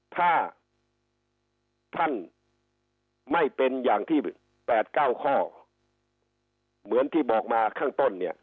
ถ้าท่านไม่เป็นอย่างที่๘๙ข้อเหมือนที่บอกมาข้างต้นเนี่ย